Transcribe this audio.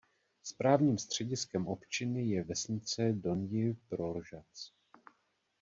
Správním střediskem opčiny je vesnice Donji Proložac.